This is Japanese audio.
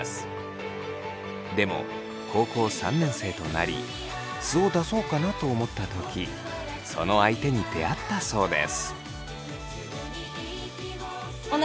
でも高校３年生となり素を出そうかなと思った時その相手に出会ったそうです。